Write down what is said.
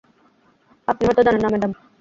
আপনি হয়তো জানেন না, ম্যাডাম।